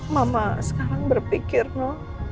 mama sekarang berpikir no